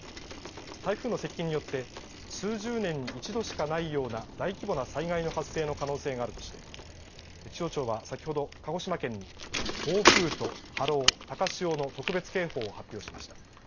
台風の接近によって数十年に一度しかないような大規模な災害の発生の可能性があるとして気象庁は先ほど鹿児島県に暴風と波浪、高潮の特別警報を発表しました。